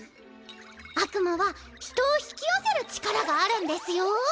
悪夢は人を引き寄せる力があるんですよ。